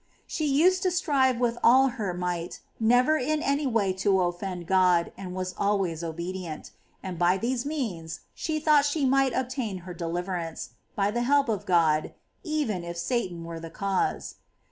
19. She used to strive with all her might never in any way to offend God, and was always obedient ; and by these means she thought she might obtain her deliverance, by the help of God, even if Satan were the cause.